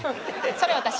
それ私？